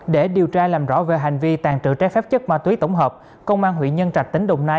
để điều tra làm rõ về hành vi tàn trự trái phép chất ma túy tổng hợp công an huyện nhân trạch tỉnh đồng nai